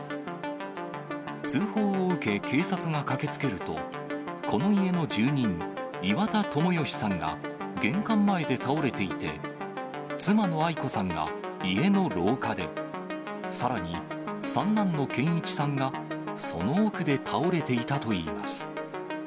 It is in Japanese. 通報を受け、警察が駆けつけると、この家の住人、岩田友義さんが玄関前で倒れていて、妻のアイ子さんが家の廊下で、さらに三男の健一さんがその奥で倒れていたといいます。